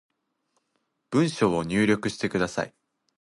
文章を入力してください